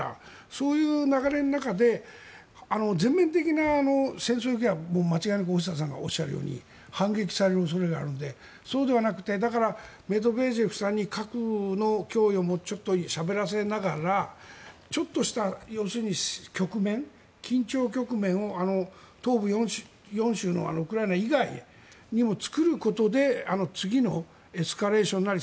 そういう流れの中で全面的な戦争にいけば間違いなく大下さんが言うように反撃される恐れがあるのでそうではなくてだから、メドベージェフさんに核の脅威をちょっとしゃべらせながらちょっとした、要するに局面緊張局面を東部４州のウクライナ以外にも作ることで次のエスカレーションなり